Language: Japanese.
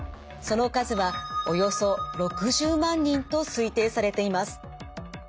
その数はおよそ６０万人と推定されています。